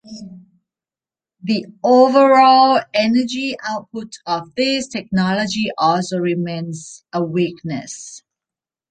The overall energy output of this technology also remains a weakness.